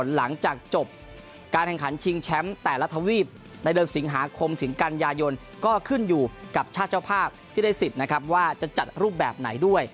หลังจากจบการแข่งขันชิงแชมป์แต่ละทวีปในเดือนสิงหาคมถึงกันยายนก็ขึ้นอยู่กับชาติเจ้าภาพที่ได้สิทธิ์นะครับว่าจะจัดรูปแบบไหนด้วย